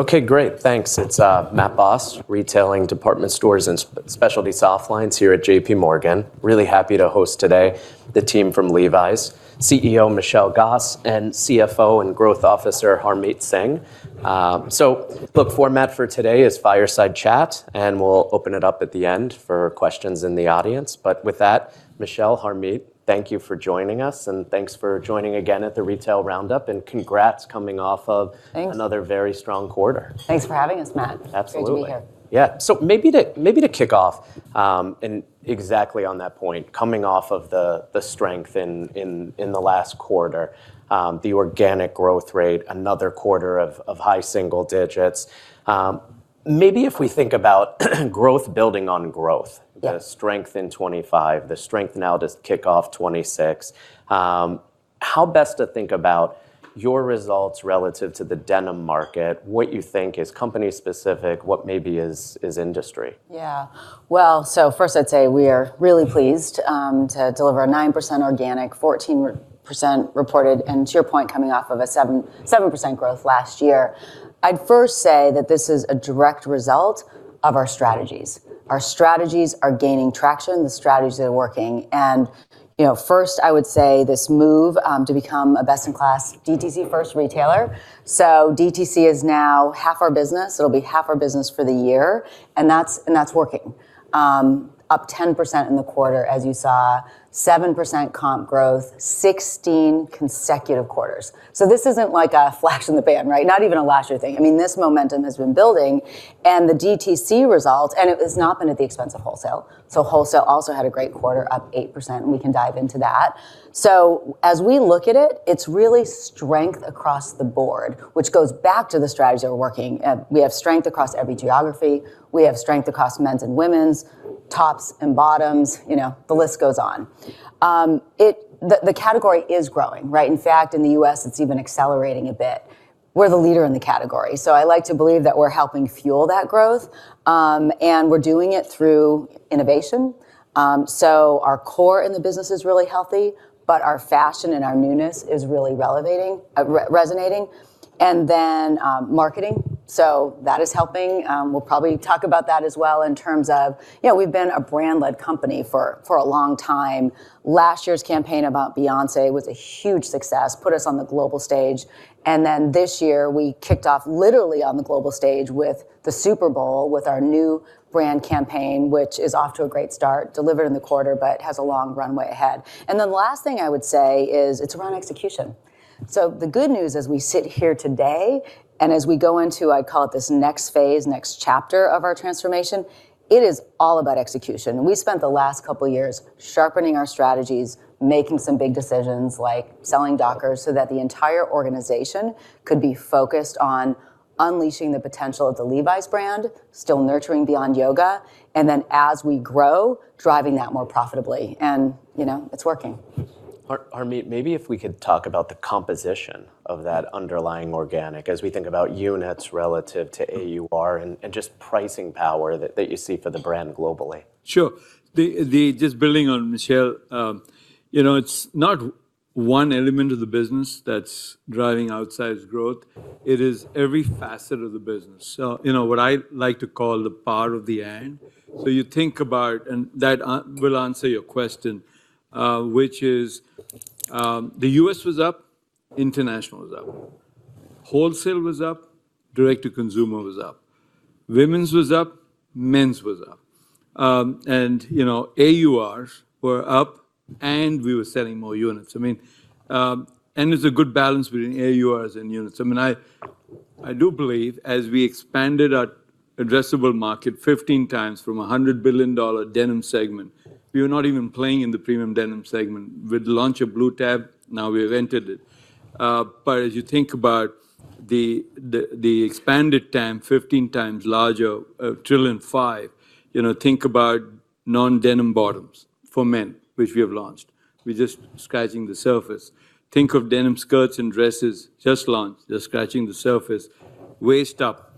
Okay, great. Thanks. It's Matt Boss, Retailing, Department Stores and Specialty Softlines here at J.P. Morgan. Really happy to host today the team from Levi's, CEO Michelle Gass, and CFO and Growth Officer Harmit Singh. The format for today is fireside chat, and we'll open it up at the end for questions in the audience. With that, Michelle, Harmit, thank you for joining us, and thanks for joining again at the Retail Round Up, and congrats coming off of- Thanks another very strong quarter. Thanks for having us, Matt. Absolutely. Great to be here. Yeah. Maybe to kick off, and exactly on that point, coming off of the strength in the last quarter, the organic growth rate, another quarter of high single digits%. Maybe if we think about growth building on growth. Yeah The strength in 2025, the strength now to kick off 2026. How best to think about your results relative to the denim market, what you think is company specific, what maybe is industry? Yeah. Well, first I'd say we are really pleased to deliver a 9% organic, 14% reported, and to your point, coming off of a 7% growth last year. I'd first say that this is a direct result of our strategies. Our strategies are gaining traction. The strategies are working. First I would say this move to become a best-in-class DTC first retailer. DTC is now half our business. It'll be half our business for the year, and that's working, up 10% in the quarter as you saw, 7% comp growth, 16 consecutive quarters. This isn't like a flash in the pan, right? Not even a last year thing. I mean, this momentum has been building and the DTC results, and it has not been at the expense of wholesale. Wholesale also had a great quarter, up 8%, and we can dive into that. As we look at it's really strength across the board, which goes back to the strategies that are working. We have strength across every geography. We have strength across men's and women's, tops and bottoms. The list goes on. The category is growing, right? In fact, in the U.S., it's even accelerating a bit. We're the leader in the category, so I like to believe that we're helping fuel that growth, and we're doing it through innovation. Our core in the business is really healthy, but our fashion and our newness is really resonating, and then marketing. That is helping. We'll probably talk about that as well in terms of we've been a brand-led company for a long time. Last year's campaign about Beyoncé was a huge success, put us on the global stage, and then this year we kicked off literally on the global stage with the Super Bowl, with our new brand campaign, which is off to a great start, delivered in the quarter, but has a long runway ahead. The last thing I would say is it's around execution. The good news as we sit here today, and as we go into, I call it this next phase, next chapter of our transformation, it is all about execution. We spent the last couple of years sharpening our strategies, making some big decisions like selling Dockers so that the entire organization could be focused on unleashing the potential of the Levi's brand, still nurturing Beyond Yoga, and then as we grow, driving that more profitably. It's working. Harmit, maybe if we could talk about the composition of that underlying organic as we think about units relative to AUR and just pricing power that you see for the brand globally. Sure. Just building on Michelle, it's not one element of the business that's driving outsized growth. It is every facet of the business. What I like to call the power of the and. You think about that. That will answer your question, which is, the U.S. was up, international was up, wholesale was up, direct-to-consumer was up, women's was up, men's was up. AURs were up, and we were selling more units. There's a good balance between AURs and units. I do believe as we expanded our addressable market 15 times from $100 billion denim segment, we were not even playing in the premium denim segment. With the launch of Blue Tab, now we've entered it. As you think about the expanded TAM, 15 times larger, $1.5 trillion. Think about non-denim bottoms for men, which we have launched. We're just scratching the surface. Think of denim skirts and dresses, just launched. Just scratching the surface. Waist up,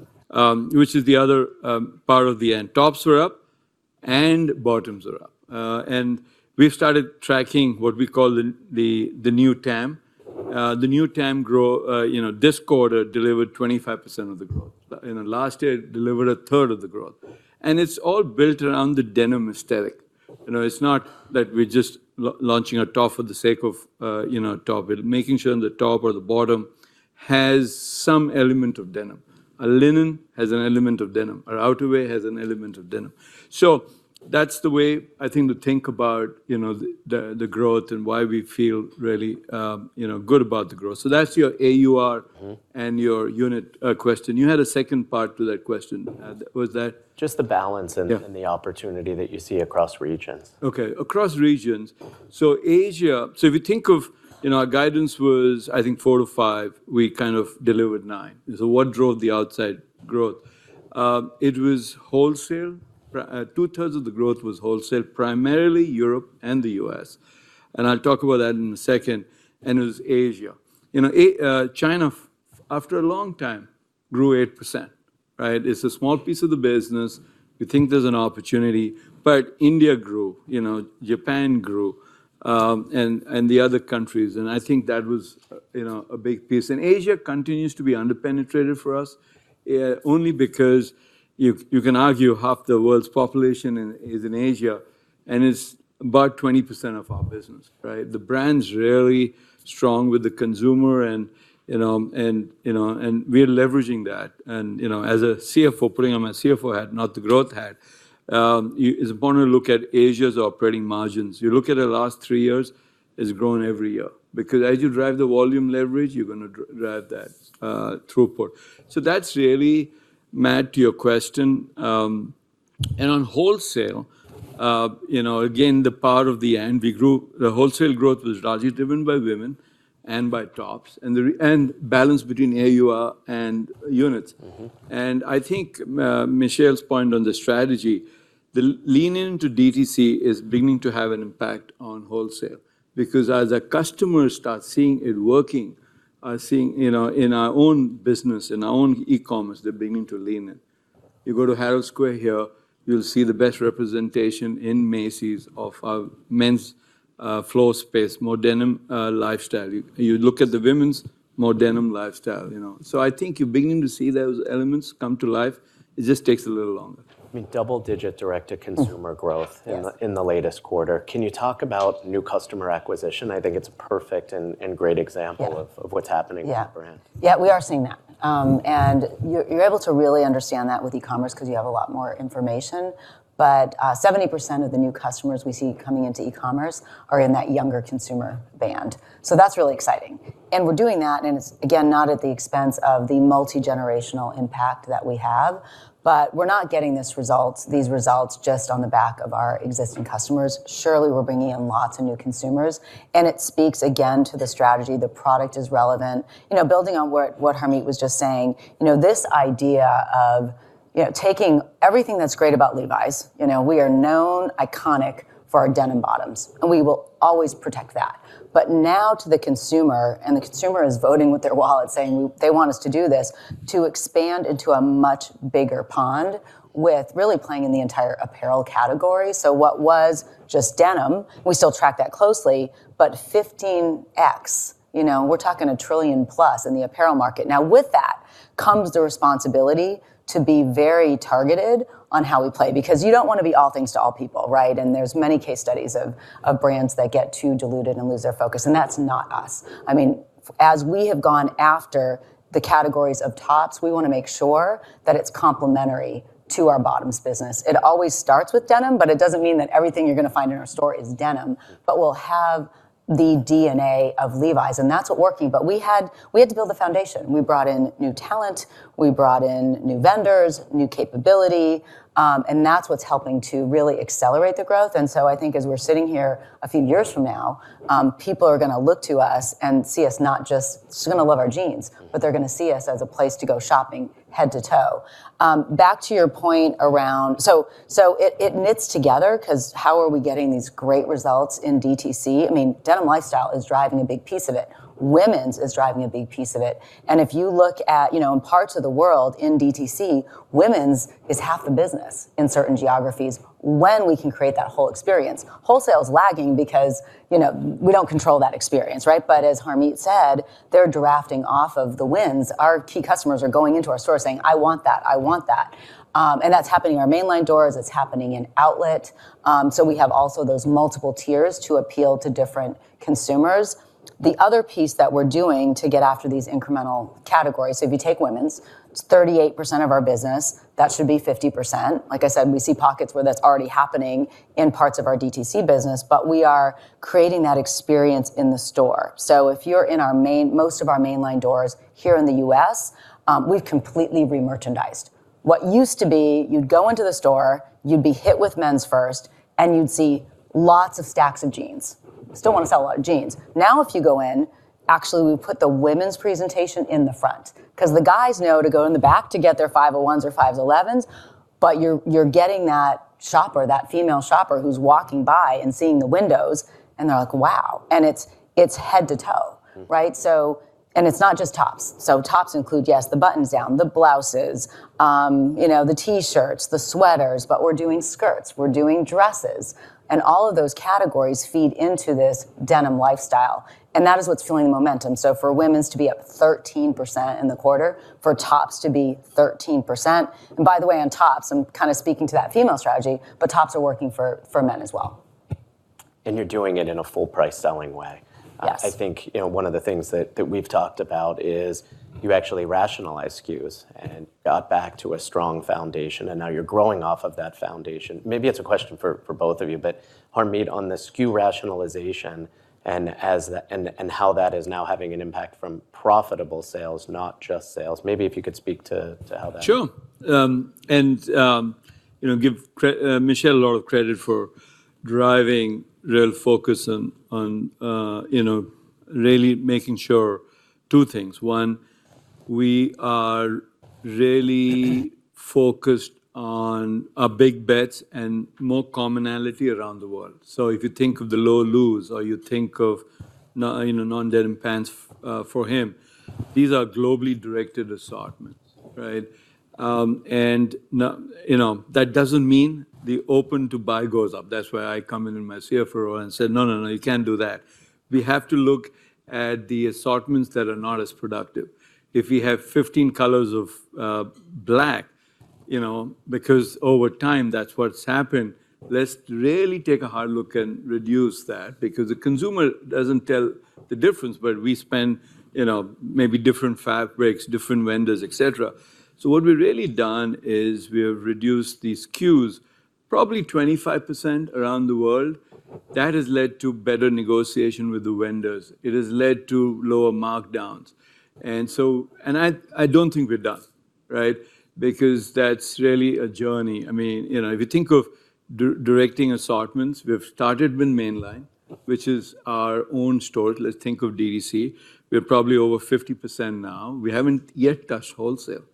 which is the other part of the and. Tops were up and bottoms were up. We've started tracking what we call the new TAM. The new TAM this quarter delivered 25% of the growth. Last year, it delivered a third of the growth, and it's all built around the denim aesthetic. It's not that we're just launching a top for the sake of a top. We're making sure the top or the bottom has some element of denim. A linen has an element of denim. Our outerwear has an element of denim. That's the way, I think, to think about the growth and why we feel really good about the growth. That's your AUR and your unit question. You had a second part to that question. Was that- Just the balance and the opportunity that you see across regions. Okay. Across regions. If you think of our guidance was, I think 4%-5%, we kind of delivered 9%. What drove the outside growth? It was wholesale. Two-thirds of the growth was wholesale, primarily Europe and the U.S., and I'll talk about that in a second. It was Asia. China, after a long time, grew 8%. Right? It's a small piece of the business. We think there's an opportunity. India grew, Japan grew, and the other countries, and I think that was a big piece. Asia continues to be under-penetrated for us only because you can argue half the world's population is in Asia, and it's about 20% of our business. Right? The brand's really strong with the consumer, and we're leveraging that. As a CFO, putting on my CFO hat, not the growth hat, it's important to look at Asia's operating margins. You look at the last three years, it's grown every year. Because as you drive the volume leverage, you're going to drive that throughput. That's really, Matt, to your question. On wholesale, again, the power of the N. The wholesale growth was largely driven by women and by tops, and balance between AUR and units. Mm-hmm. I think Michelle's point on the strategy, the lean into DTC is beginning to have an impact on wholesale. Because as the customers start seeing it working, are seeing in our own business, in our own e-commerce, they're beginning to lean in. You go to Herald Square here, you'll see the best representation in Macy's of our men's floor space, more denim lifestyle. You look at the women's, more denim lifestyle. I think you're beginning to see those elements come to life. It just takes a little longer. I mean, double-digit direct-to-consumer growth in the latest quarter. Can you talk about new customer acquisition? I think it's perfect and great example of what's happening with the brand. Yeah, we are seeing that. You're able to really understand that with e-commerce because you have a lot more information, but 70% of the new customers we see coming into e-commerce are in that younger consumer band. That's really exciting. We're doing that, and it's again, not at the expense of the multi-generational impact that we have. We're not getting these results just on the back of our existing customers. Surely, we're bringing in lots of new consumers, and it speaks again to the strategy. The product is relevant. Building on what Harmit was just saying, this idea of taking everything that's great about Levi's. We are known iconic for our denim bottoms, and we will always protect that. Now to the consumer, and the consumer is voting with their wallet saying they want us to do this, to expand into a much bigger pond with really playing in the entire apparel category. What was just denim, we still track that closely, but 15x, we're talking a trillion plus in the apparel market. Now, with that comes the responsibility to be very targeted on how we play. Because you don't want to be all things to all people, right? There's many case studies of brands that get too diluted and lose their focus, and that's not us. I mean, as we have gone after the categories of tops, we want to make sure that it's complementary to our bottoms business. It always starts with denim, but it doesn't mean that everything you're going to find in our store is denim. We'll have the DNA of Levi's, and that's what's working. We had to build a foundation. We brought in new talent, we brought in new vendors, new capability, and that's what's helping to really accelerate the growth. I think as we're sitting here a few years from now, people are going to look to us and see us not just still going to love our jeans, but they're going to see us as a place to go shopping head to toe. Back to your point around so it knits together because how are we getting these great results in DTC? I mean, denim lifestyle is driving a big piece of it. Women's is driving a big piece of it. If you look at in parts of the world in DTC, women's is half the business in certain geographies when we can create that whole experience. Wholesale is lagging because we don't control that experience, right? As Harmit said, they're drafting off of the winds. Our key customers are going into our store saying, "I want that. I want that." That's happening in our mainline doors. It's happening in outlet. We have also those multiple tiers to appeal to different consumers. The other piece that we're doing to get after these incremental categories, so if you take women's, it's 38% of our business. That should be 50%. Like I said, we see pockets where that's already happening in parts of our DTC business, but we are creating that experience in the store. If you're in most of our mainline doors here in the U.S., we've completely remerchandised. What used to be, you'd go into the store, you'd be hit with men's first, and you'd see lots of stacks of jeans. Still want to sell a lot of jeans. Now, if you go in, actually, we put the women's presentation in the front. Because the guys know to go in the back to get their 501s or 511s, but you're getting that shopper, that female shopper who's walking by and seeing the windows, and they're like, "Wow." It's head to toe, right? It's not just tops. Tops include, yes, the button-downs, the blouses, the T-shirts, the sweaters, but we're doing skirts, we're doing dresses, and all of those categories feed into this denim lifestyle. That is what's fueling the momentum. For women's to be up 13% in the quarter, for tops to be 13%, and by the way, on tops, I'm kind of speaking to that female strategy, but tops are working for men as well. You're doing it in a full price selling way. Yes. I think one of the things that we've talked about is you actually rationalize SKUs and got back to a strong foundation, and now you're growing off of that foundation. Maybe it's a question for both of you, but Harmit, on the SKU rationalization and how that is now having an impact from profitable sales, not just sales. Maybe if you could speak to how that- Sure. Give Michelle a lot of credit for driving real focus on really making sure two things. One, we are really focused on our big bets and more commonality around the world. If you think of the Low Loose or you think of non-denim pants for him, these are globally directed assortments, right? That doesn't mean the open to buy goes up. That's where I come in in my CFO role and said, "No, you can't do that." We have to look at the assortments that are not as productive. If we have 15 colors of black, because over time, that's what's happened, let's really take a hard look and reduce that because the consumer doesn't tell the difference. We spend maybe different fabrics, different vendors, et cetera. What we've really done is we have reduced the SKUs probably 25% around the world. That has led to better negotiation with the vendors. It has led to lower markdowns. I don't think we're done, right? Because that's really a journey. If you think of directing assortments, we have started with mainline, which is our own store. Let's think of DTC. We're probably over 50% now. We haven't yet touched wholesale.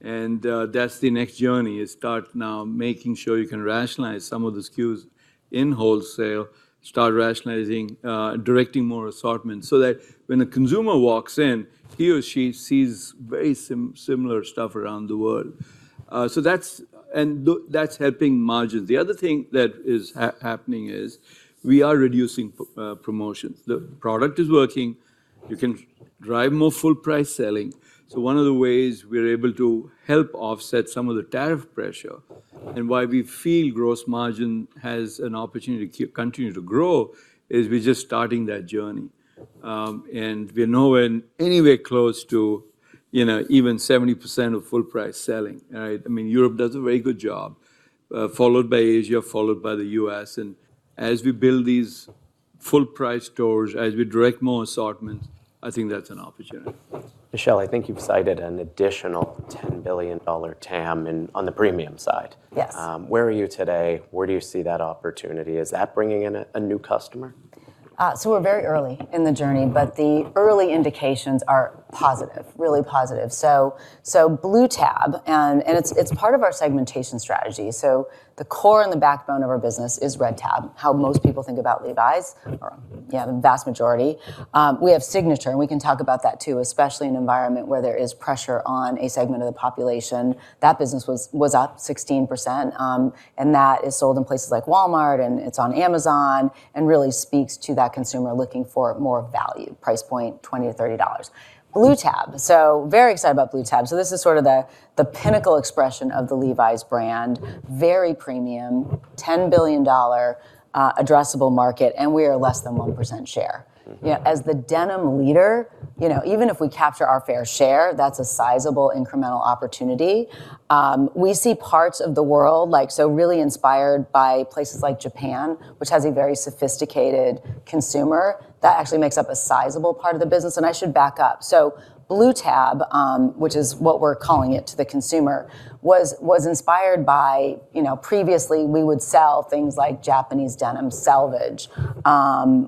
That's the next journey, is start now making sure you can rationalize some of the SKUs in wholesale, start rationalizing, directing more assortments so that when the consumer walks in, he or she sees very similar stuff around the world. That's helping margins. The other thing that is happening is we are reducing promotions. The product is working. You can drive more full price selling. One of the ways we're able to help offset some of the tariff pressure and why we feel gross margin has an opportunity to continue to grow is we're just starting that journey. We're nowhere anyway close to even 70% of full price selling. Europe does a very good job. Followed by Asia, followed by the U.S. As we build these full price stores, as we direct more assortments, I think that's an opportunity. Michelle, I think you've cited an additional $10 billion TAM on the premium side. Yes. Where are you today? Where do you see that opportunity? Is that bringing in a new customer? We're very early in the journey, but the early indications are positive, really positive. Blue Tab, and it's part of our segmentation strategy. The core and the backbone of our business is Red Tab, how most people think about Levi's, or the vast majority. We have Signature, and we can talk about that too, especially in an environment where there is pressure on a segment of the population. That business was up 16%, and that is sold in places like Walmart, and it's on Amazon and really speaks to that consumer looking for more value. Price point, $20-$30. Blue Tab. Very excited about Blue Tab. This is sort of the pinnacle expression of the Levi's brand. Very premium, $10 billion addressable market, and we are less than 1% share. Mm-hmm. As the denim leader, even if we capture our fair share, that's a sizable incremental opportunity. We see parts of the world, so really inspired by places like Japan, which has a very sophisticated consumer. That actually makes up a sizable part of the business. I should back up. Blue Tab, which is what we're calling it to the consumer, was inspired by previously, we would sell things like Japanese denim selvedge.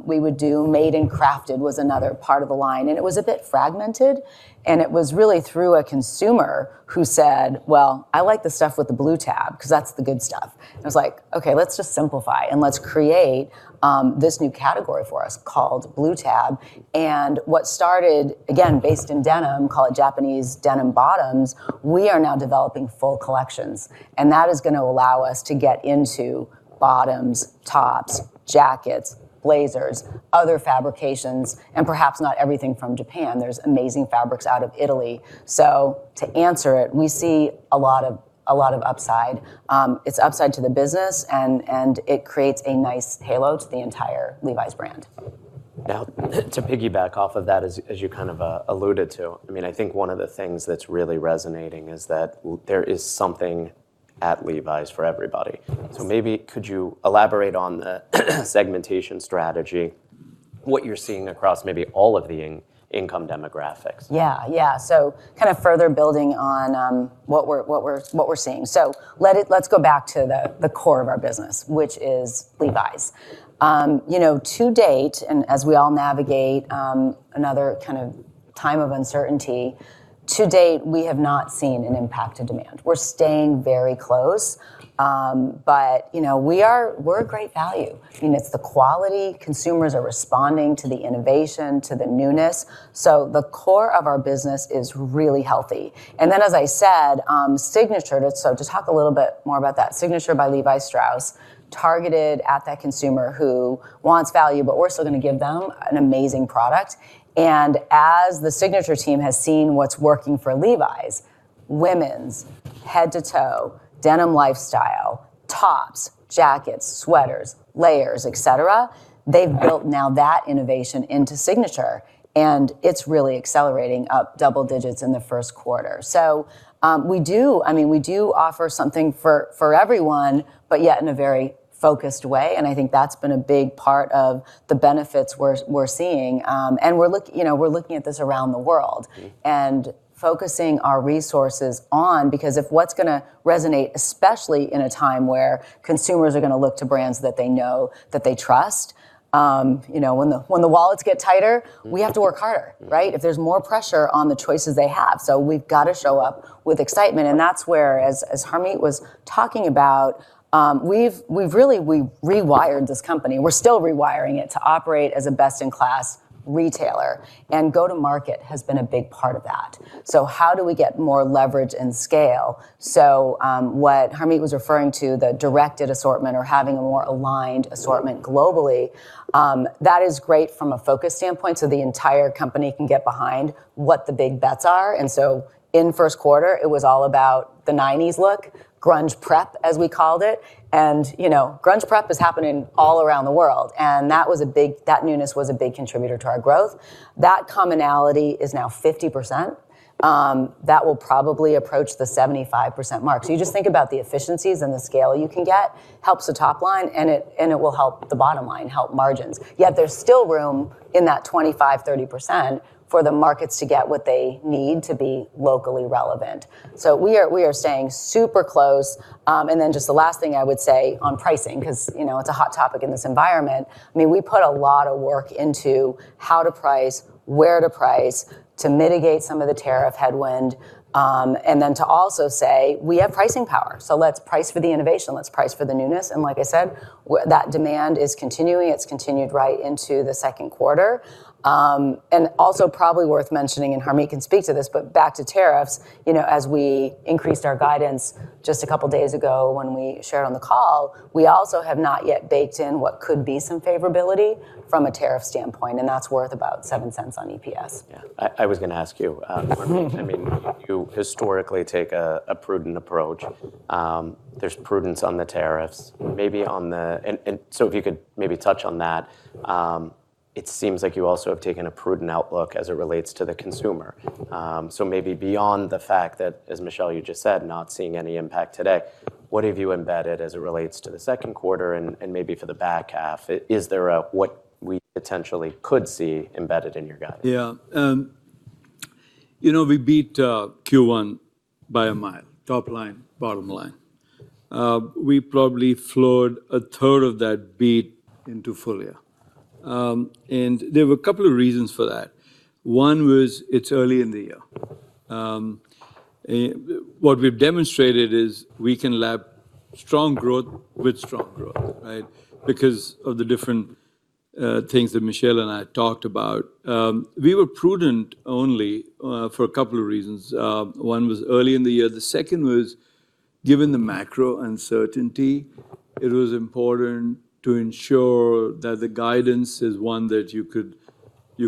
We would do. Made & Crafted was another part of the line, and it was a bit fragmented. It was really through a consumer who said, "Well, I like the stuff with the Blue Tab because that's the good stuff." I was like, "Okay, let's just simplify and let's create this new category for us called Blue Tab." What started, again, based in denim, call it Japanese denim bottoms, we are now developing full collections. That is gonna allow us to get into bottoms, tops, jackets, blazers, other fabrications, and perhaps not everything from Japan. There's amazing fabrics out of Italy. To answer it, we see a lot of upside. It's upside to the business, and it creates a nice halo to the entire Levi's brand. Now, to piggyback off of that as you kind of alluded to, I think one of the things that's really resonating is that there is something at Levi's for everybody. Maybe could you elaborate on the segmentation strategy, what you're seeing across maybe all of the income demographics? Yeah. Kind of further building on what we're seeing. Let's go back to the core of our business, which is Levi's. To date, and as we all navigate another kind of time of uncertainty, to date, we have not seen an impact to demand. We're staying very close, but we're a great value. It's the quality. Consumers are responding to the innovation, to the newness. The core of our business is really healthy. Then, as I said, Signature, so to talk a little bit more about that, Signature by Levi Strauss, targeted at that consumer who wants value, but we're still gonna give them an amazing product. As the Signature team has seen what's working for Levi's, women's head-to-toe denim lifestyle tops, jackets, sweaters, layers, etc., they've built now that innovation into Signature, and it's really accelerating up double digits in the first quarter. We do offer something for everyone, but yet in a very focused way, and I think that's been a big part of the benefits we're seeing. We're looking at this around the world and focusing our resources on, because if what's going to resonate, especially in a time where consumers are going to look to brands that they know, that they trust. When the wallets get tighter, we have to work harder, right? If there's more pressure on the choices they have, we've got to show up with excitement, and that's where, as Harmit was talking about, we've really rewired this company. We're still rewiring it to operate as a best-in-class retailer, and go-to-market has been a big part of that. How do we get more leverage and scale? What Harmit was referring to, the directed assortment or having a more aligned assortment globally, that is great from a focus standpoint, so the entire company can get behind what the big bets are. In the first quarter, it was all about the '90s look, grunge prep, as we called it. Grunge prep is happening all around the world, and that newness was a big contributor to our growth. That commonality is now 50%. That will probably approach the 75% mark. You just think about the efficiencies and the scale you can get, helps the top line, and it will help the bottom line, help margins. Yet there's still room in that 25%-30% for the markets to get what they need to be locally relevant. We are staying super close. Just the last thing I would say on pricing, because it's a hot topic in this environment. We put a lot of work into how to price, where to price, to mitigate some of the tariff headwind, and then to also say, "We have pricing power, so let's price for the innovation. Let's price for the newness." Like I said, that demand is continuing. It's continued right into the second quarter. Also probably worth mentioning, and Harmit can speak to this, but back to tariffs, as we increased our guidance just a couple of days ago when we shared on the call, we also have not yet baked in what could be some favorability from a tariff standpoint, and that's worth about $0.07 on EPS. Yeah. I was going to ask you, Harmit. You historically take a prudent approach. There's prudence on the tariffs. If you could maybe touch on that, it seems like you also have taken a prudent outlook as it relates to the consumer. Maybe beyond the fact that, as Michelle, you just said, not seeing any impact today, what have you embedded as it relates to the second quarter and maybe for the back half? Is there a what we potentially could see embedded in your guidance? Yeah. We beat Q1 by a mile, top line, bottom line. We probably flowed a third of that beat into full-year. There were a couple of reasons for that. One was it's early in the year. What we've demonstrated is we can lap strong growth with strong growth, right, because of the different things that Michelle and I talked about. We were prudent only for a couple of reasons. One was early in the year. The second was, given the macro uncertainty, it was important to ensure that the guidance is one that you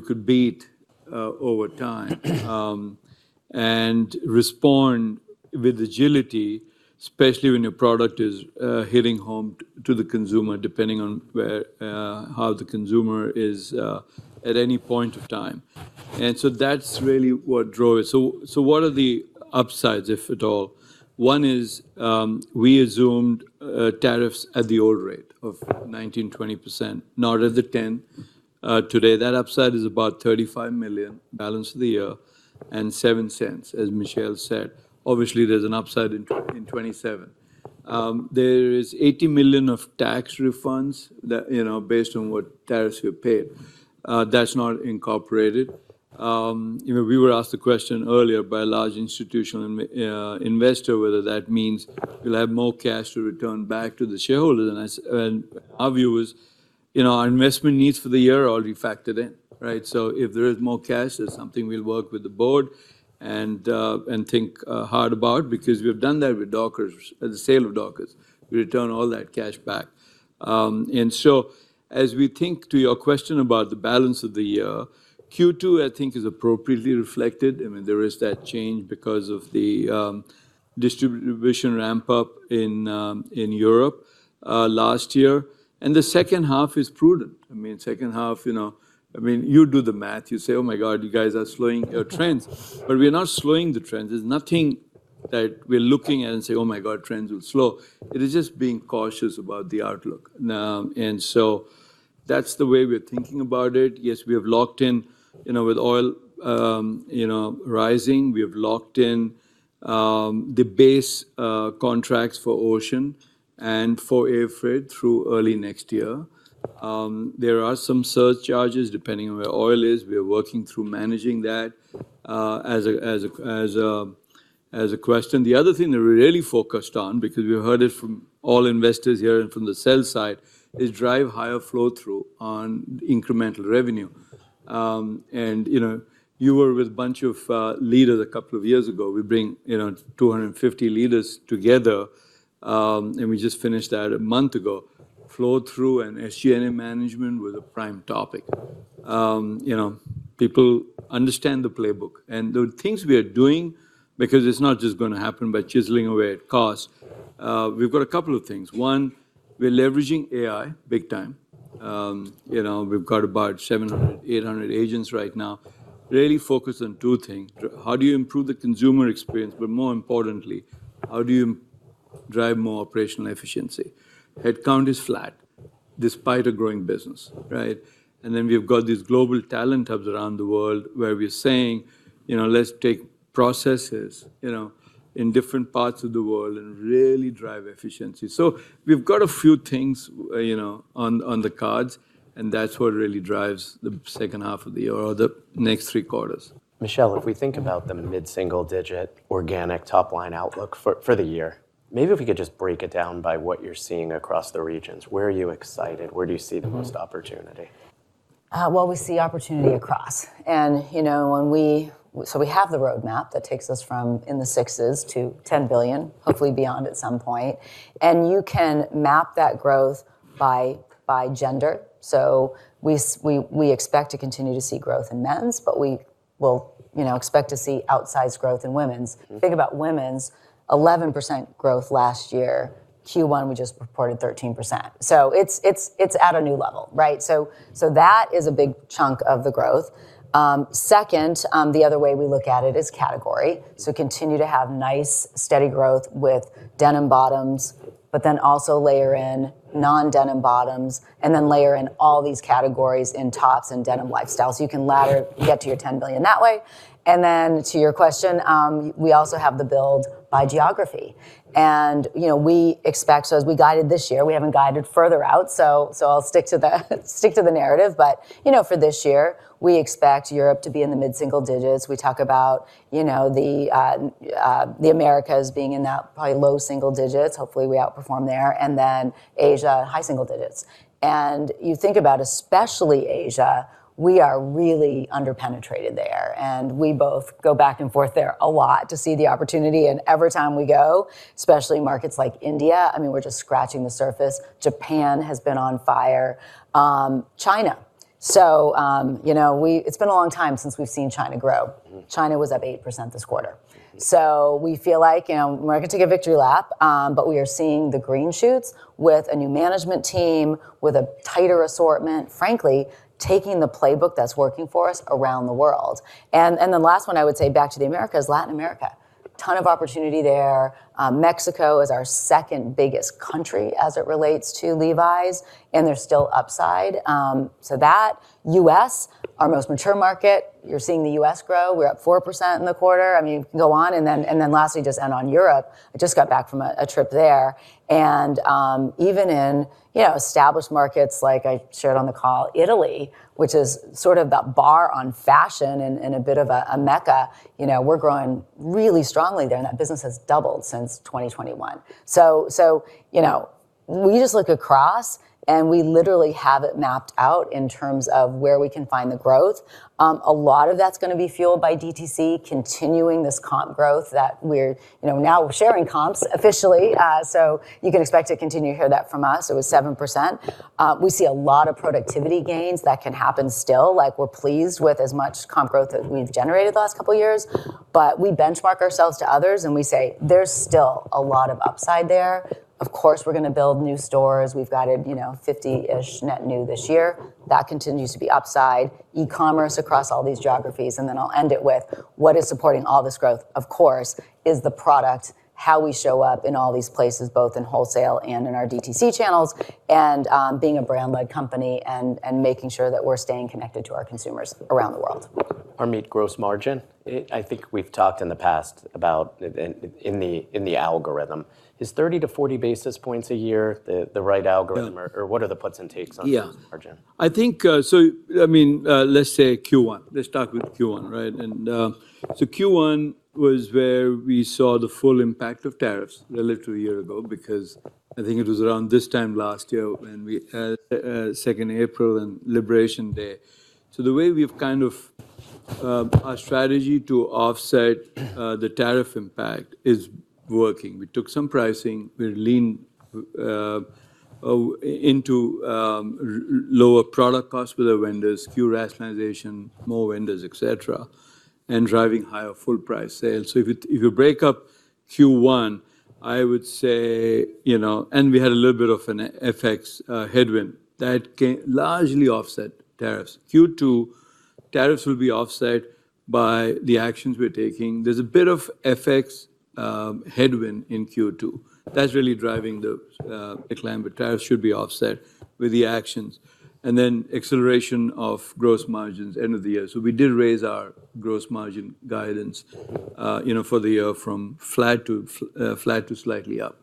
could beat over time and respond with agility, especially when your product is hitting home to the consumer, depending on how the consumer is at any point of time. That's really what drove it. What are the upsides, if at all? One is, we assumed tariffs at the old rate of 19%-20%, not at the 10%. Today, that upside is about $35 million balance of the year and $0.07, as Michelle said. Obviously, there's an upside in 2027. There is $80 million of tax refunds based on what tariffs were paid. That's not incorporated. We were asked the question earlier by a large institutional investor whether that means we'll have more cash to return back to the shareholder, and our view is our investment needs for the year are already factored in, right? So if there is more cash, it's something we'll work with the board and think hard about because we've done that with Dockers, the sale of Dockers. We return all that cash back. As we think to your question about the balance of the year, Q2, I think, is appropriately reflected. There is that change because of the distribution ramp-up in Europe last year. The second half is prudent. Second half, you do the math. You say, "Oh my God, you guys are slowing your trends." We're not slowing the trends. There's nothing that we're looking at and say, "Oh my God, trends will slow." It is just being cautious about the outlook. That's the way we're thinking about it. Yes, we have locked in with oil rising. We have locked in the base contracts for ocean and for air freight through early next year. There are some surcharges, depending on where oil is. We are working through managing that as a question. The other thing that we're really focused on, because we heard it from all investors here and from the sell side, is drive higher flow-through on incremental revenue. You were with a bunch of leaders a couple of years ago. We bring 250 leaders together, and we just finished that a month ago. Flow-through and SG&A management was a prime topic. People understand the playbook and the things we are doing, because it's not just going to happen by chiseling away at cost. We've got a couple of things. One, we're leveraging AI big time. We've got about 700-800 agents right now, really focused on two things. How do you improve the consumer experience? More importantly, how do you drive more operational efficiency? Headcount is flat despite a growing business. Right? We've got these global talent hubs around the world where we're saying, "Let's take processes in different parts of the world and really drive efficiency." We've got a few things on the cards, and that's what really drives the second half of the year or the next three quarters. Michelle, if we think about the mid-single digit organic top-line outlook for the year, maybe if we could just break it down by what you're seeing across the regions. Where are you excited? Where do you see the most opportunity? Well, we see opportunity across. We have the roadmap that takes us from in the sixes to $10 billion, hopefully beyond at some point. You can map that growth by gender. We expect to continue to see growth in men's, but we will expect to see outsized growth in women's. Mm-hmm. Think about women's 11% growth last year. Q1, we just reported 13%. It's at a new level, right? That is a big chunk of the growth. Second, the other way we look at it is category. Continue to have nice steady growth with denim bottoms, but then also layer in non-denim bottoms, and then layer in all these categories in tops and denim lifestyle. You can ladder, get to your $10 billion that way. Then to your question, we also have the build by geography. As we guided this year, we haven't guided further out, so I'll stick to the narrative, but for this year, we expect Europe to be in the mid-single digits%. The Americas being in that probably low single digits%. Hopefully, we outperform there. Then Asia, high single digits%. You think about, especially Asia, we are really under-penetrated there, and we both go back and forth there a lot to see the opportunity. Every time we go, especially markets like India, we're just scratching the surface. Japan has been on fire. China. It's been a long time since we've seen China grow. Mm-hmm. China was up 8% this quarter. We feel like we're going to take a victory lap. We are seeing the green shoots with a new management team, with a tighter assortment, frankly, taking the playbook that's working for us around the world. The last one I would say, back to the Americas, Latin America. Tons of opportunity there. Mexico is our second-biggest country as it relates to Levi's, and there's still upside. That. U.S., our most mature market. You're seeing the U.S. grow. We're up 4% in the quarter. You can go on, and then lastly, just end on Europe. I just got back from a trip there. Even in established markets, like I shared on the call, Italy, which is sort of that barometer of fashion and a bit of a Mecca, we're growing really strongly there. That business has doubled since 2021. We just look across, and we literally have it mapped out in terms of where we can find the growth. A lot of that's going to be fueled by DTC continuing this comp growth that we're now sharing comps officially. Mm-hmm. You can expect to continue to hear that from us. It was 7%. We see a lot of productivity gains that can happen still. We're pleased with as much comp growth that we've generated the last couple of years, but we benchmark ourselves to others, and we say there's still a lot of upside there. Of course, we're going to build new stores. We've guided 50-ish net new this year. That continues to be upside. E-commerce across all these geographies, and then I'll end it with what is supporting all this growth, of course, is the product, how we show up in all these places, both in wholesale and in our DTC channels, and being a brand-led company and making sure that we're staying connected to our consumers around the world. Harmit, gross margin. I think we've talked in the past about the algorithm. Is 30-40 basis points a year the right algorithm? Yeah. What are the puts and takes on gross margin? Yeah. Let's say Q1. Let's start with Q1, right? Q1 was where we saw the full impact of tariffs relative to a year ago because I think it was around this time last year when we had 2nd April and Liberation Day. The way our strategy to offset the tariff impact is working. We took some pricing, we leaned into lower product costs with our vendors, SKU rationalization, more vendors, et cetera, and driving higher full price sales. If you break up Q1, and we had a little bit of an FX headwind that largely offset tariffs. Q2 tariffs will be offset by the actions we're taking. There's a bit of FX headwind in Q2 that's really driving the decline, but tariffs should be offset with the actions. Acceleration of gross margins end of the year. We did raise our gross margin guidance for the year from flat to slightly up.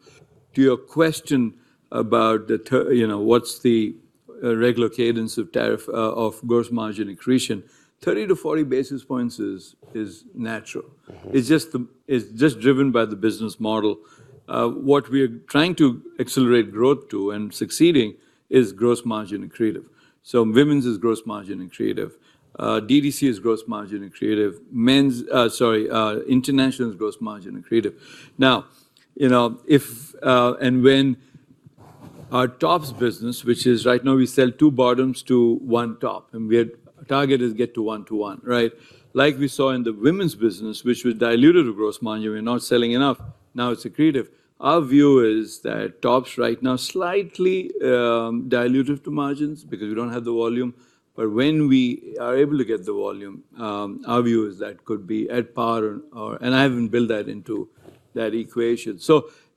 To your question about what's the regular cadence of gross margin accretion, 30-40 basis points is natural. Mm-hmm. It's just driven by the business model. What we are trying to accelerate growth to, and succeeding, is gross margin accretive. Women's is gross margin accretive. DTC is gross margin accretive. International is gross margin accretive. Now, our tops business, which is right now we sell 2 bottoms to 1 top, and our target is get to 1 to 1. Like we saw in the women's business, which was diluted to gross margin. We're not selling enough. Now it's accretive. Our view is that tops right now slightly diluted to margins because we don't have the volume. When we are able to get the volume, our view is that could be at par or. I haven't built that into that equation.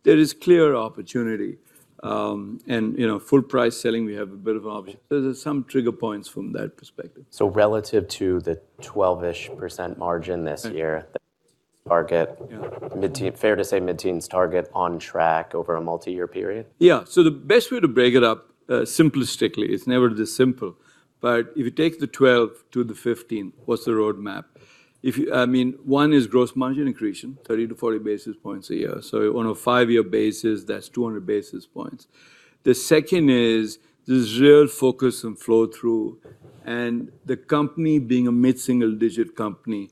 There is clear opportunity. Full price selling, we have a bit of option. There's some trigger points from that perspective. Relative to the 12-ish% margin this year. Right target. Yeah. Fair to say mid-teens target on track over a multi-year period? Yeah. The best way to break it up, simplistically, it's never this simple, but if you take the 12 to the 15, what's the roadmap? One is gross margin increase, 30-40 basis points a year. On a 5-year basis, that's 200 basis points. The second is this real focus on flow-through, and the company being a mid-single-digit company,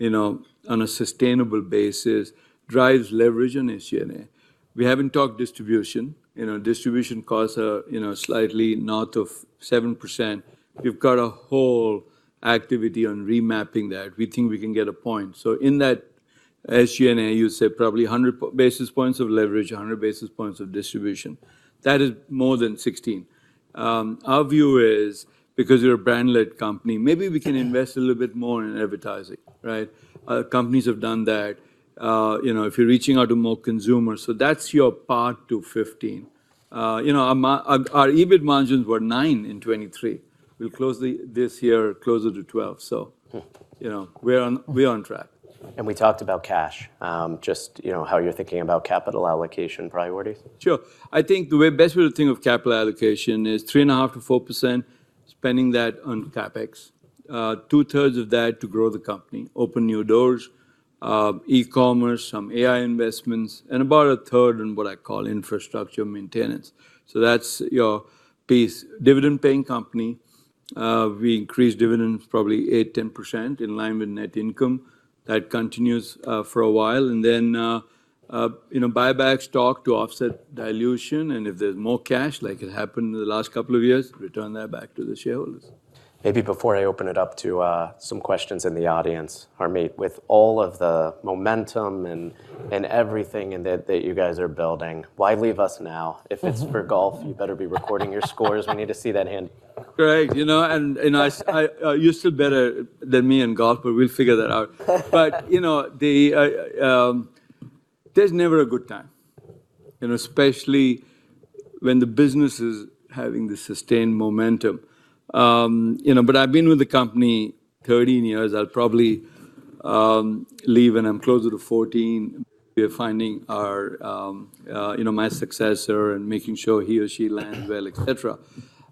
on a sustainable basis, drives leverage and SG&A. We haven't talked distribution. Distribution costs are slightly north of 7%. We've got a whole activity on remapping that. We think we can get a point. In that SG&A, you said probably 100 basis points of leverage, 100 basis points of distribution. That is more than 16. Our view is, because we're a brand-led company, maybe we can invest a little bit more in advertising. Right? Other companies have done that. If you're reaching out to more consumers, that's up to 15%. Our EBIT margins were 9% in 2023. We'll close this year closer to 12%. Mm We're on track. We talked about cash, just how you're thinking about capital allocation priorities. Sure. I think the best way to think of capital allocation is 3.5%-4%, spending that on CapEx. Two-thirds of that to grow the company, open new doors, e-commerce, some AI investments, and about a third in what I call infrastructure maintenance. That's your piece. Dividend-paying company, we increase dividends probably 8%-10% in line with net income. That continues for a while, and then buy back stock to offset dilution, and if there's more cash, like it happened in the last couple of years, return that back to the shareholders. Maybe before I open it up to some questions in the audience, Harmit, with all of the momentum and everything that you guys are building, why leave us now? If it's for golf, you better be recording your scores. We need to see that handicap. Matt, you're still better than me in golf, but we'll figure that out. There's never a good time, especially when the business is having the sustained momentum. I've been with the company 13 years. I'll probably leave when I'm closer to 14. We're finding my successor and making sure he or she lands well, et cetera.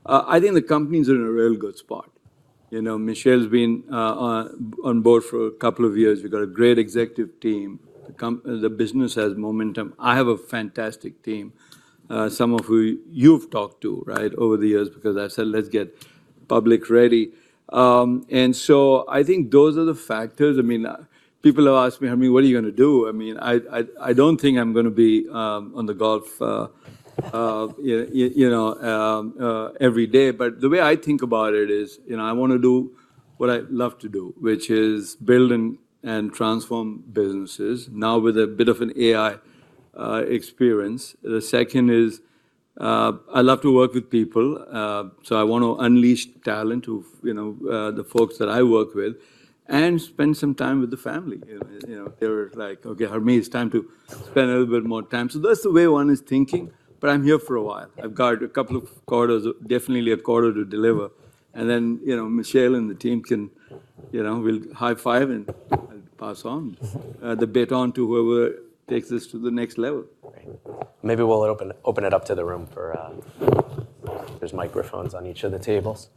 I think the company's in a real good spot. Michelle's been on board for a couple of years. We've got a great executive team. The business has momentum. I have a fantastic team, some of who you've talked to over the years because I said, "Let's get public ready." I think those are the factors. People have asked me, "Harmit, what are you going to do?" I don't think I'm going to be on the golf course every day. The way I think about it is, I want to do what I love to do, which is build and transform businesses, now with a bit of an AI experience. The second is, I love to work with people, so I want to unleash talent of the folks that I work with and spend some time with the family. They were like, "Okay, Harmit, it's time to spend a little bit more time." That's the way one is thinking. I'm here for a while. I've got a couple of quarters, definitely a quarter to deliver, and then Michelle and the team can. We'll high five and pass on the baton to whoever takes this to the next level. Great. Maybe we'll open it up to the room. There's microphones on each of the tables.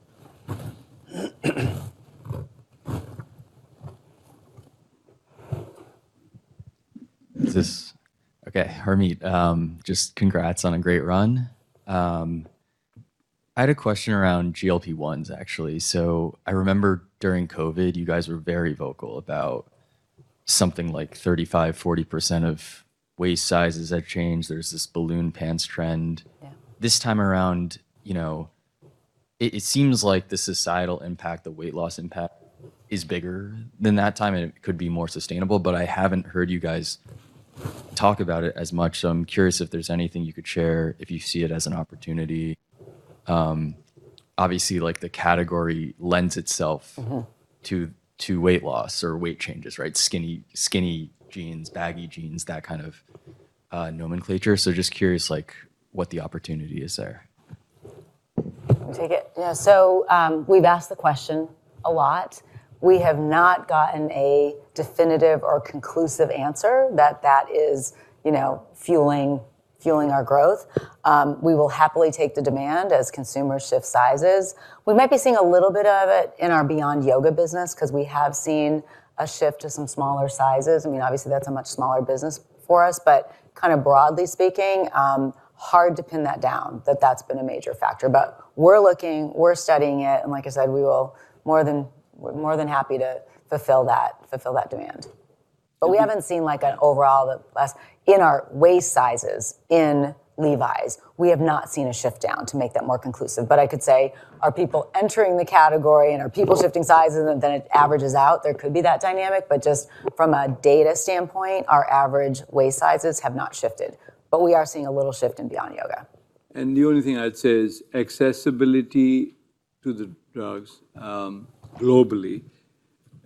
Harmit, just congrats on a great run. I had a question around GLP-1s, actually. I remember during COVID, you guys were very vocal about something like 35%-40% of waist sizes have changed. There's this balloon pants trend. Yeah. This time around, it seems like the societal impact, the weight loss impact, is bigger than that time, and it could be more sustainable, but I haven't heard you guys talk about it as much. I'm curious if there's anything you could share, if you see it as an opportunity. Obviously, the category lends itself to weight loss or weight changes. Skinny jeans, baggy jeans, that kind of nomenclature. Just curious what the opportunity is there. You take it? Yeah. We've asked the question a lot. We have not gotten a definitive or conclusive answer that that is fueling our growth. We will happily take the demand as consumers shift sizes. We might be seeing a little bit of it in our Beyond Yoga business because we have seen a shift to some smaller sizes. Obviously, that's a much smaller business for us, but kind of broadly speaking, hard to pin that down that that's been a major factor. We're looking, we're studying it, and like I said, we're more than happy to fulfill that demand. We haven't seen an overall loss in our waist sizes in Levi's. We have not seen a shift down to make that more conclusive. I could say, are people entering the category and are people shifting sizes, and then it averages out? There could be that dynamic, but just from a data standpoint, our average waist sizes have not shifted. We are seeing a little shift in Beyond Yoga. The only thing I'd say is accessibility to the drugs globally.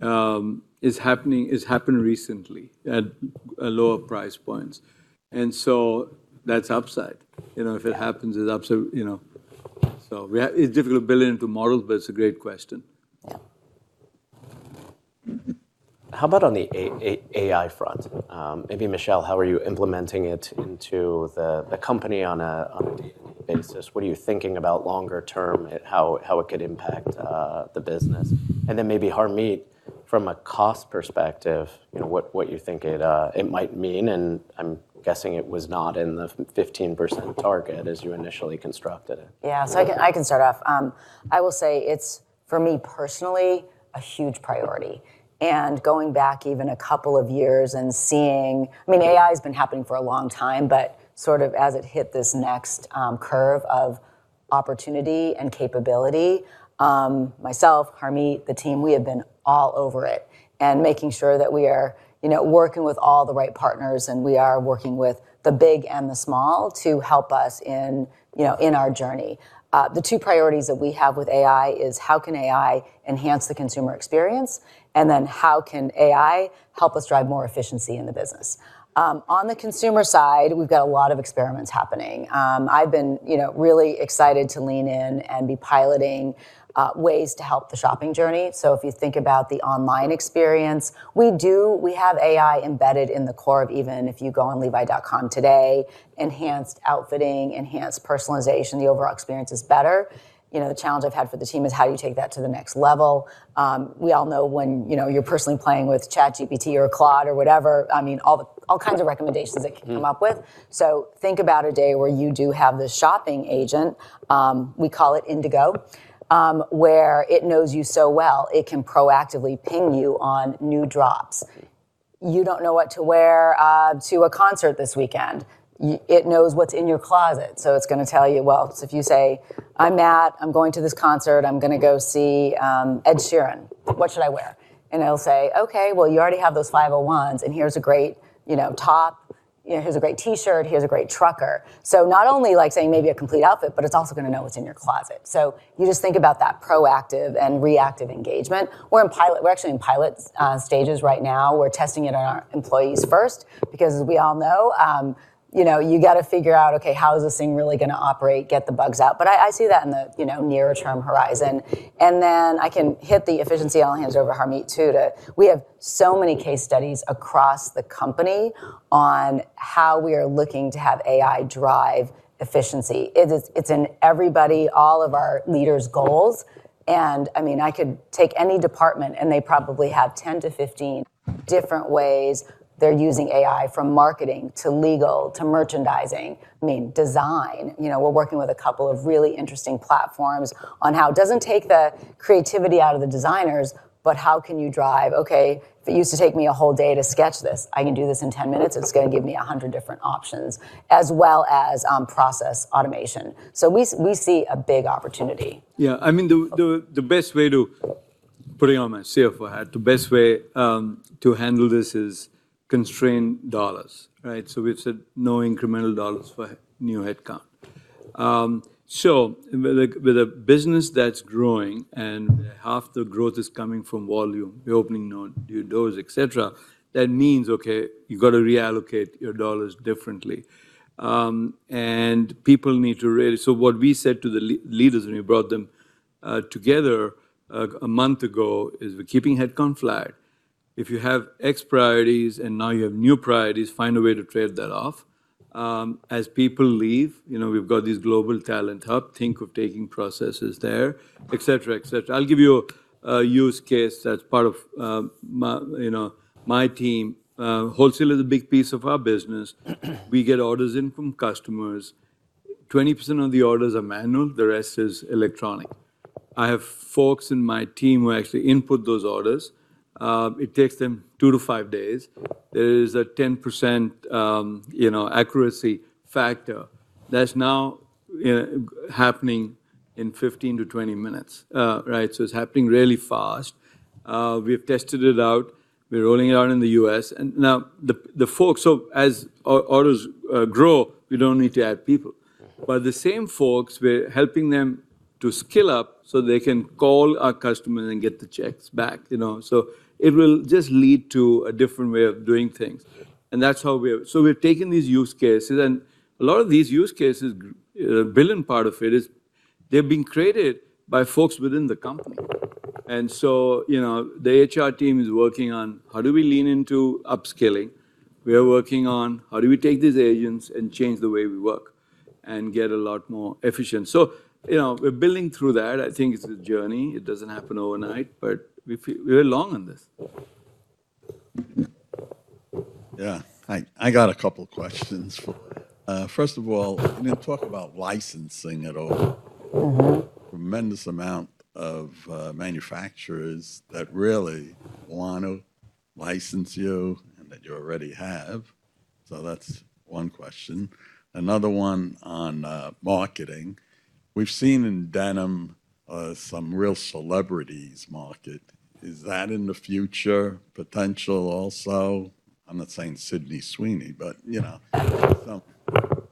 It's happened recently at lower price points. That's upside. If it happens, it's upside. It's difficult to build it into models, but it's a great question. Yeah. How about on the AI front? Maybe Michelle, how are you implementing it into the company on a day-to-day basis? What are you thinking about longer term, how it could impact the business? Maybe Harmit, from a cost perspective what you think it might mean, and I'm guessing it was not in the 15% target as you initially constructed it. Yeah. I can start off. I will say it's, for me personally, a huge priority. Going back even a couple of years and seeing AI's been happening for a long time, but sort of as it hit this next curve of opportunity and capability, myself, Harmit, the team, we have been all over it. Making sure that we are working with all the right partners, and we are working with the big and the small to help us in our journey. The two priorities that we have with AI is how can AI enhance the consumer experience? How can AI help us drive more efficiency in the business? On the consumer side, we've got a lot of experiments happening. I've been really excited to lean in and be piloting ways to help the shopping journey. If you think about the online experience, we have AI embedded in the core of even if you go on levi.com today, enhanced outfitting, enhanced personalization, the overall experience is better. The challenge I've had for the team is how do you take that to the next level? We all know when you're personally playing with ChatGPT or Claude or whatever, all kinds of recommendations it can come up with. Think about a day where you do have the shopping agent, we call it Indigo, where it knows you so well it can proactively ping you on new drops. You don't know what to wear to a concert this weekend. It knows what's in your closet, so it's going to tell you, well, so if you say, "I'm Matt, I'm going to this concert, I'm going to go see Ed Sheeran. What should I wear?" It'll say, "Okay, well, you already have those 501s, and here's a great top, here's a great T-shirt, here's a great trucker." Not only saying maybe a complete outfit, but it's also going to know what's in your closet. You just think about that proactive and reactive engagement. We're actually in pilot stages right now. We're testing it on our employees first, because as we all know, you got to figure out, okay, how is this thing really going to operate, get the bugs out. I see that in the nearer-term horizon. I can hit the efficiency. I'll hand it over Harmit too. We have so many case studies across the company on how we are looking to have AI drive efficiency. It's in everybody, all of our leaders' goals, and I could take any department, and they probably have 10-15 different ways they're using AI, from marketing to legal, to merchandising, design. We're working with a couple of really interesting platforms on how it doesn't take the creativity out of the designers, but how can you drive, okay, if it used to take me a whole day to sketch this, I can do this in 10 mins., it's going to give me 100 different options, as well as process automation. We see a big opportunity. Yeah. Putting on my CFO hat, the best way to handle this is to constrain dollars. Right? We've said no incremental dollars for new headcount. With a business that's growing and half the growth is coming from volume, we're opening new doors, et cetera, that means, okay, you've got to reallocate your dollars differently. What we said to the leaders when we brought them together a month ago is we're keeping headcount flat. If you have X priorities and now you have new priorities, find a way to trade that off. As people leave, we've got this global talent hub, think of taking processes there, et cetera. I'll give you a use case that's part of my team. Wholesale is a big piece of our business. We get orders in from customers. 20% of the orders are manual, the rest is electronic. I have folks in my team who actually input those orders. It takes them 2-5 days. There is a 10% accuracy factor. That's now happening in 15-20 minutes. Right? So it's happening really fast. We've tested it out. We're rolling it out in the U.S. Now the folks, so as our orders grow, we don't need to add people. Mm-hmm. The same folks, we're helping them to skill up so they can call our customers and get the checks back. It will just lead to a different way of doing things. Yeah. We're taking these use cases, and a lot of these use cases, the billion part of it is they're being created by folks within the company. The HR team is working on how do we lean into upskilling? We are working on how do we take these agents and change the way we work and get a lot more efficient. We're building through that. I think it's a journey. It doesn't happen overnight, but we're long on this. Yeah. I got a couple questions for- First of all, you didn't talk about licensing at all. Mm-hmm. A tremendous amount of manufacturers that really want to license you and that you already have. That's one question. Another one on marketing. We've seen in denim some real celebrities market. Is that in the future potential also? I'm not saying Sydney Sweeney, but some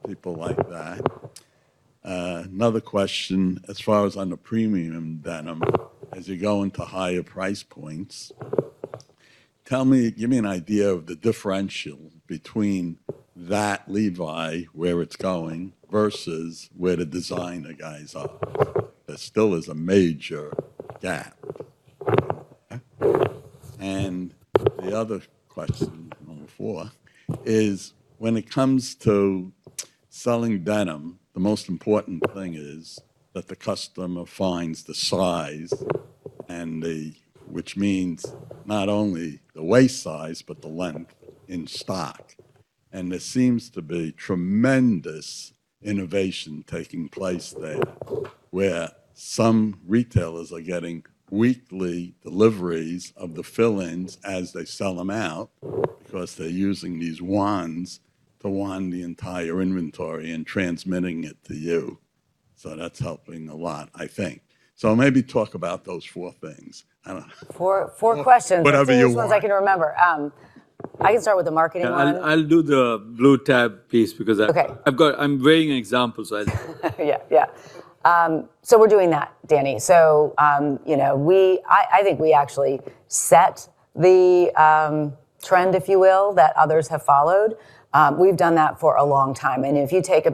people like that. Another question, as far as on the premium denim, as you go into higher price points, give me an idea of the differential between that Levi's, where it's going, versus where the designer guys are. There still is a major gap. The other question, number four, is when it comes to selling denim, the most important thing is that the customer finds the size, which means not only the waist size, but the length in stock. There seems to be tremendous innovation taking place there, where some retailers are getting weekly deliveries of the fill-ins as they sell them out because they're using these wands to wand the entire inventory and transmitting it to you. That's helping a lot, I think. Maybe talk about those four things. I don't know. Four questions. Whatever you want. Let's see which ones I can remember. I can start with the marketing one. I'll do the Blue Tab piece because I Okay I'm wearing an example, so I. Yeah. We're doing that, Danny. I think we actually set the trend, if you will, that others have followed. We've done that for a long time, and if you think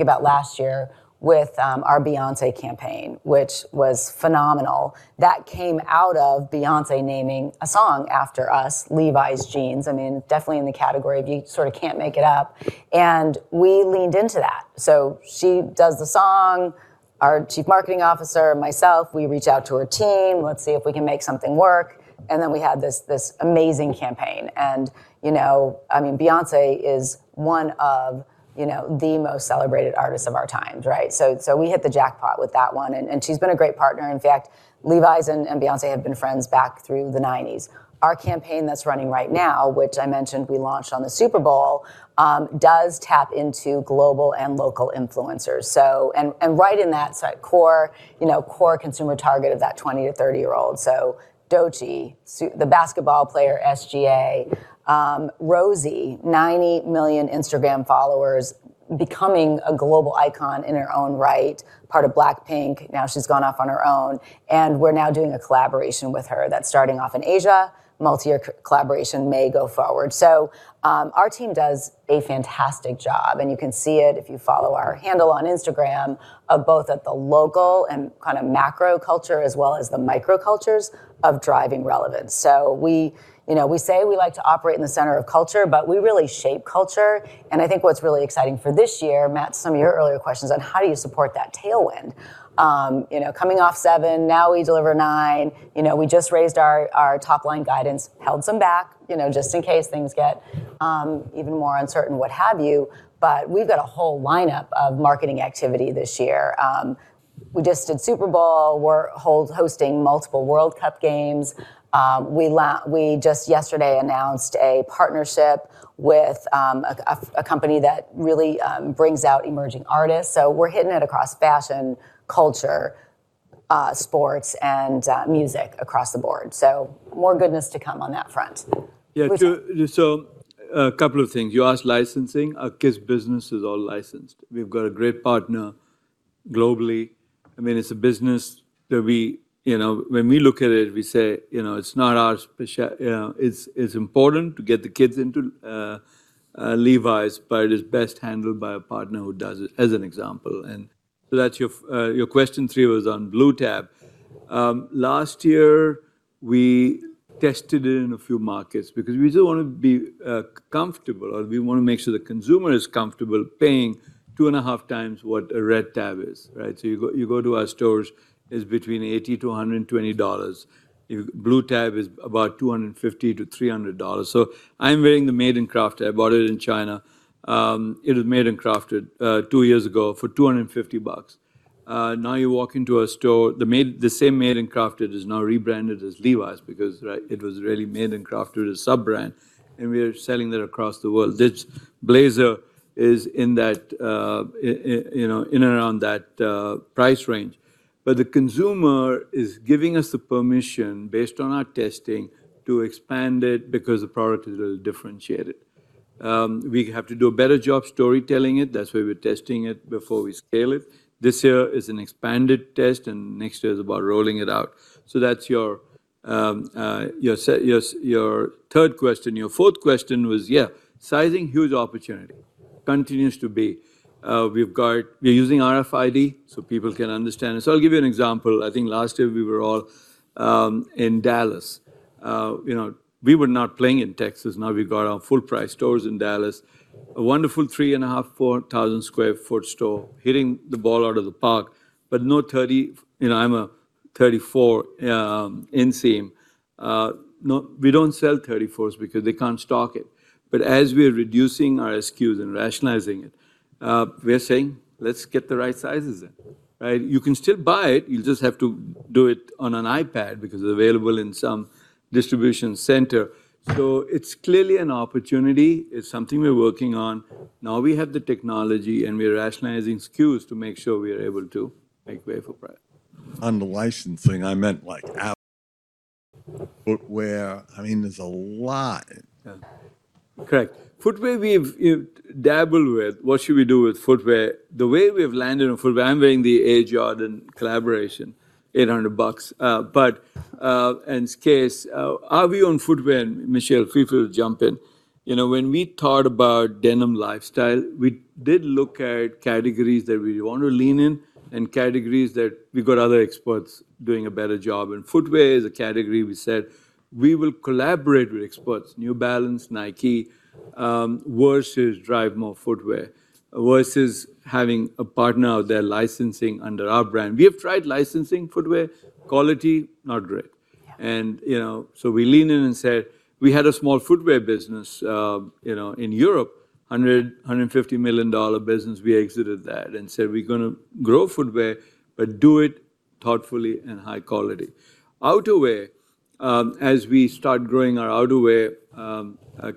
about last year with our Beyoncé campaign, which was phenomenal, that came out of Beyoncé naming a song after us, Levi's Jeans. Definitely in the category of you sort of can't make it up, and we leaned into that. She does the song. Our Chief Marketing Officer and myself, we reach out to her team. Let's see if we can make something work, and then we had this amazing campaign. Beyoncé is one of the most celebrated artists of our times, right? We hit the jackpot with that one, and she's been a great partner. In fact, Levi's and Beyoncé have been friends back through the '90s. Our campaign that's running right now, which I mentioned we launched on the Super Bowl, does tap into global and local influencers. Right in that core consumer target of that 20- to 30-year-old. Doechii, the basketball player, SGA, Rosé, 90 million Instagram followers, becoming a global icon in her own right, part of Blackpink. Now she's gone off on her own, and we're now doing a collaboration with her that's starting off in Asia. Multi-year collaboration may go forward. Our team does a fantastic job, and you can see it if you follow our handle on Instagram of both at the local and kind of macro culture as well as the micro cultures of driving relevance. We say we like to operate in the center of culture, but we really shape culture, and I think what's really exciting for this year, Matt, some of your earlier questions on how do you support that tailwind? Coming off 7%, now we deliver 9%. We just raised our top-line guidance, held some back, just in case things get even more uncertain, what have you. We've got a whole lineup of marketing activity this year. We just did Super Bowl. We're hosting multiple World Cup games. We just yesterday announced a partnership with a company that really brings out emerging artists. We're hitting it across fashion, culture, sports, and music across the board. More goodness to come on that front. Yeah. Go ahead. A couple of things. You asked licensing. Our kids business is all licensed. We've got a great partner globally. It's a business that when we look at it, we say it's important to get the kids into Levi's, but it is best handled by a partner who does it as an example. Your question three was on Blue Tab. Last year, we tested it in a few markets because we still want to be comfortable, or we want to make sure the consumer is comfortable paying 2.5x what a Red Tab is, right? You go to our stores, it's between $80-$120. Blue Tab is about $250-$300. I'm wearing the Made & Crafted. I bought it in China. It was made and crafted 2 years ago for $250. Now you walk into a store, the same Made & Crafted is now rebranded as Levi's because it was really Made & Crafted as a sub-brand, and we are selling that across the world. This blazer is in and around that price range. The consumer is giving us the permission based on our testing to expand it because the product is really differentiated. We have to do a better job storytelling it. That's why we're testing it before we scale it. This year is an expanded test, and next year is about rolling it out. That's your third question. Your fourth question was, yeah, sizing, huge opportunity. Continues to be. We're using RFID so people can understand it. I'll give you an example. I think last year we were all in Dallas. We were not playing in Texas. Now we've got our full price stores in Dallas. A wonderful 3,500-4,000 sq ft store, hitting the ball out of the park, but no 30. I'm a 34 inseam. No, we don't sell 34s because they can't stock it. As we are reducing our SKUs and rationalizing it, we are saying, "Let's get the right sizes in." You can still buy it, you'll just have to do it on an iPad because it's available in some distribution center. It's clearly an opportunity. It's something we're working on. Now we have the technology, and we are rationalizing SKUs to make sure we are able to make way for Brian. On the licensing, I meant like Apple. Where there's a lot. Yeah. Correct. Footwear, we've dabbled with what should we do with footwear. The way we've landed on footwear, I'm wearing the Air Jordan collaboration, $800. But in this case, are we on footwear? Michelle, feel free to jump in. When we thought about denim lifestyle, we did look at categories that we want to lean in and categories that we've got other experts doing a better job. Footwear is a category we said we will collaborate with experts, New Balance, Nike, versus drive more footwear, versus having a partner out there licensing under our brand. We have tried licensing footwear. Quality, not great. Yeah. We leaned in and said we had a small footwear business in Europe, $100-$150 million business. We exited that and said we're going to grow footwear but do it thoughtfully and high quality. Outerwear, as we start growing our outerwear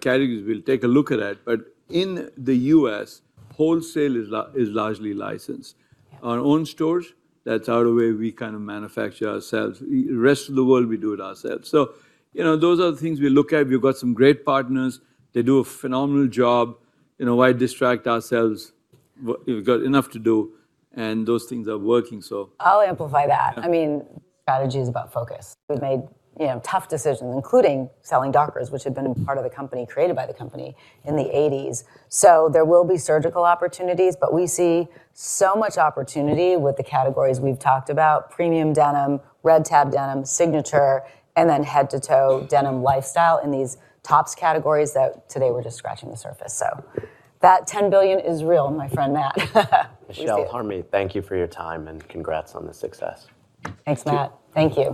categories, we'll take a look at that. In the U.S., wholesale is largely licensed. Yeah. Our own stores, that's outerwear we kind of manufacture ourselves. Rest of the world, we do it ourselves. Those are the things we look at. We've got some great partners. They do a phenomenal job. Why distract ourselves? We've got enough to do, and those things are working. I'll amplify that. Yeah. Strategy is about focus. We've made tough decisions, including selling Dockers, which had been a part of the company, created by the company in the '80s. There will be surgical opportunities, but we see so much opportunity with the categories we've talked about, premium denim, Red Tab denim, Signature, and then head-to-toe denim lifestyle in these tops categories that today we're just scratching the surface. That $10 billion is real, my friend Matt. Michelle, Harmit, thank you for your time and congrats on the success. Thanks, Matt. Thank you.